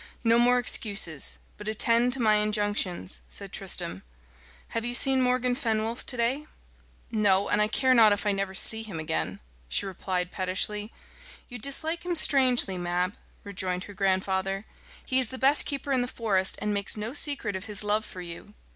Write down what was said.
"No more excuses, but attend to my injunctions," said Tristram. "Have you seen Morgan Fenwolf to day?" "No; and I care not if I never see him again," she replied pettishly. "You dislike him strangely, Mab," rejoined her grandfather; "he is the best keeper in the forest, and makes no secret of his love for you."